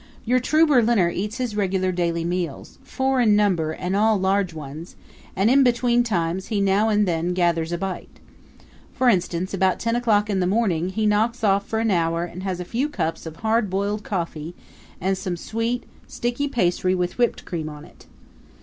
Your true Berliner eats his regular daily meals four in number and all large ones; and in between times he now and then gathers a bite. For instance, about ten o'clock in the morning he knocks off for an hour and has a few cups of hard boiled coffee and some sweet, sticky pastry with whipped cream on it.